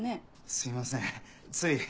すいませんつい。